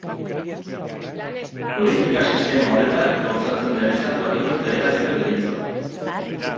Politika sistema horretan gauzatzen den estatuari federazio deritzo.